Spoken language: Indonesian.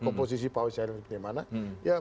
komposisi power sharing seperti bagaimana